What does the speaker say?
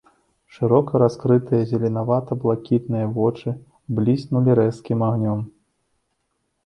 Шырока раскрытыя зеленавата-блакітныя вочы бліснулі рэзкім агнём.